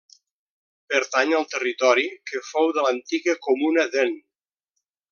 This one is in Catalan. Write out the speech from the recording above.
Pertany al territori que fou de l'antiga comuna d'En.